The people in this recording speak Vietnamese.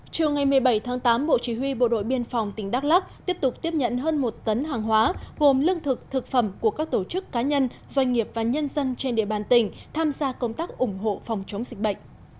chiều ngày một mươi bảy tháng tám bộ chỉ huy bộ đội biên phòng tỉnh đắk lắc tiếp tục tiếp nhận hơn một tấn hàng hóa gồm lương thực thực phẩm của các tổ chức cá nhân doanh nghiệp và nhân dân trên địa bàn tỉnh tham gia công tác ủng hộ phòng chống dịch bệnh